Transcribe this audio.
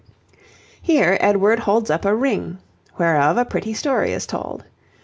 Here Edward holds up a ring, whereof a pretty story is told.